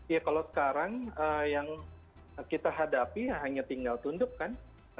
ya kalau sekarang yang kita hadapi hanya tinggal tunduk kan